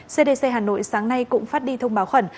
cdc hà nội sáng nay cũng phát đi thông báo khẩn